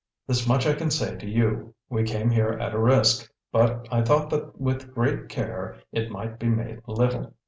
This much I can say to you: we came here at a risk, but I thought that with great care it might be made little.